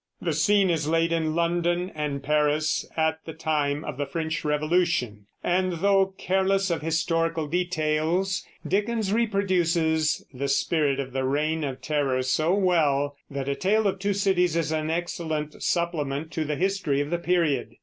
The scene is laid in London and Paris, at the time of the French Revolution; and, though careless of historical details, Dickens reproduces the spirit of the Reign of Terror so well that A Tale of Two Cities is an excellent supplement to the history of the period.